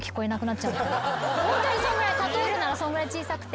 ホントにそんぐらい例えるならそんぐらい小さくて。